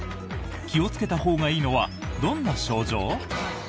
気をつけたほうがいいのはどんな症状？